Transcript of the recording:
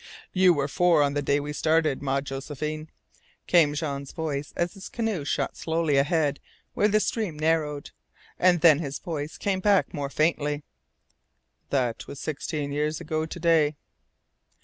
"You were four on the day we started, ma Josephine," came Jean's voice as his canoe shot slowly ahead where the stream narrowed; and then his voice came back more faintly: "that was sixteen years ago to day."